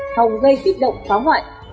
không gây tích động phá hoại